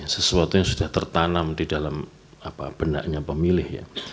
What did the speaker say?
sesuatu yang sudah tertanam di dalam benaknya pemilih ya